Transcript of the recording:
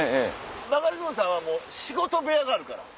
バカリズムさんは仕事部屋があるから。